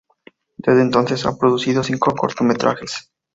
Desde entonces ha producido cinco cortometrajes.